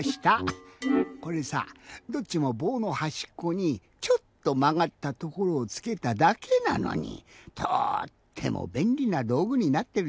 これさどっちもぼうのはしっこにちょっとまがったところをつけただけなのにとってもべんりなどうぐになってるじゃない？